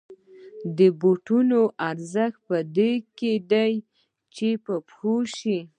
د بوټانو ارزښت په دې کې دی چې په پښو شي